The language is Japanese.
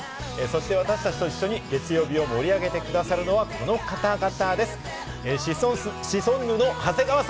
そして私たちと一緒に月曜日を盛り上げてくださるのはこの方々です！